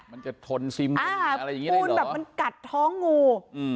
ปูนแบบมันกัดท้องงู